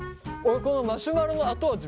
このマシュマロの後味